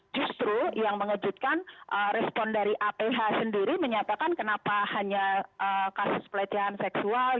justru yang mengejutkan respon dari aph sendiri menyatakan kenapa hanya kasus pelecehan seksual